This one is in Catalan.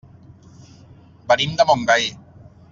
Venim de Montgai.